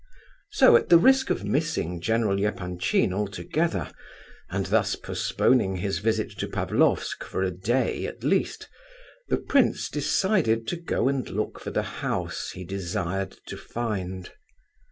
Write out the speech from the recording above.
So at the risk of missing General Epanchin altogether, and thus postponing his visit to Pavlofsk for a day, at least, the prince decided to go and look for the house he desired to find.